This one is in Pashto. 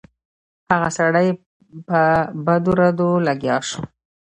هغه سړی په بدو ردو لګیا شو.